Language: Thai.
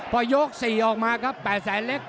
พอยก๔ออกมาครับ๘แสนเล็ก